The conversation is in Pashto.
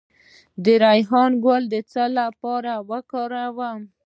د ریحان ګل د څه لپاره وکاروم؟